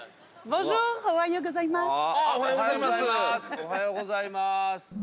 おはようございます。